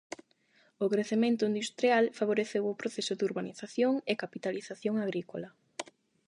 O crecemento industrial favoreceu o proceso de urbanización e capitalización agrícola.